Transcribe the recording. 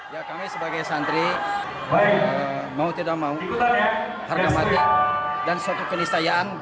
ya kami sebagai santri mau tidak mau harga mati dan suatu keniscayaan